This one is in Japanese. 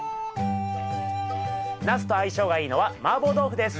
ナスと相性がいいのはマーボー豆腐です。